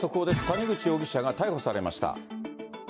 谷口容疑者が逮捕されました。